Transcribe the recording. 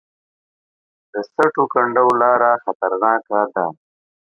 د سټو کنډو لاره خطرناکه ده